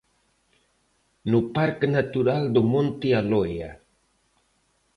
No Parque Natural do monte Aloia.